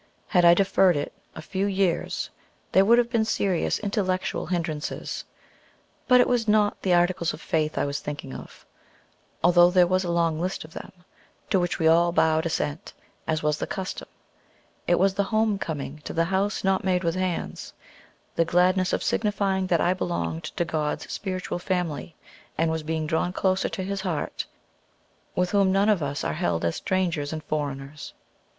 Had I deferred it a few years there would have been serious intellectual hindrances. But it was not the Articles of Faith I was thinking of, although there was a long list of them, to which we all bowed assent, as was the custom. It was the homecoming to the "house not made with hands," the gladness of signifying that I belonged to God's spiritual family, and was being drawn closer to his heart, with whom none of us are held as "strangers and foreigners."